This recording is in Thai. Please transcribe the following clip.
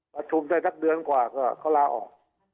ประชุมได้สักเดือนกว่าก็เขาลาออก